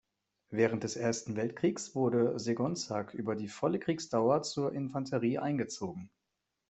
Während des Ersten Weltkriegs wurde Segonzac über die volle Kriegsdauer zur Infanterie eingezogen.